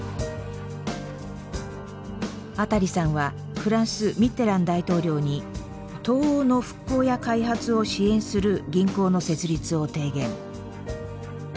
アタリさんはフランスミッテラン大統領に東欧の復興や開発を支援する銀行の設立を提言。